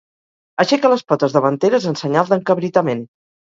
Aixeca les potes davanteres en senyal d'encabritament.